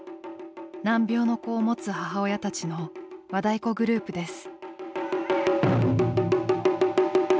難病の子をもつ母親たちの和太鼓グループです。